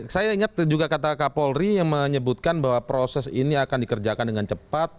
saya ingat juga kata kapolri yang menyebutkan bahwa proses ini akan dikerjakan dengan cepat